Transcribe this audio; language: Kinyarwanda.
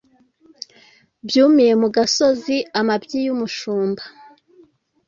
Byumiye mu gasozi-Amabyi y'umushumba.